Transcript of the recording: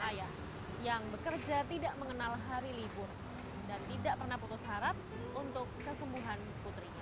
ayah yang bekerja tidak mengenal hari libur dan tidak pernah putus harap untuk kesembuhan putrinya